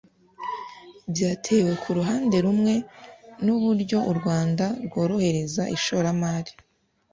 byatewe ku ruhande rumwe n’uburyo u Rwanda rworohereza ishoramari